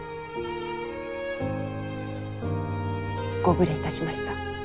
ご無礼いたしました。